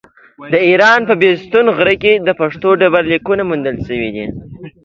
د ايران په بېستون غره کې د پښتو ډبرليکونه موندل شوي دي.